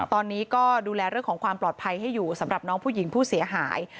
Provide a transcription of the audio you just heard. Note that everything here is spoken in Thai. ตอนนี้ก็ดูแลเรื่องของความปลอดภัยให้อยู่สำหรับน้องผู้หญิงผู้เสียหาย